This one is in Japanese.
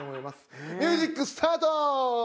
ミュージックスタート！